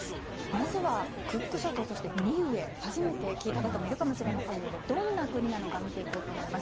まず、クック諸島とニウエ初めて聞いた方もいるかもしれませんのでどんな国なのか見ていきたいと思います。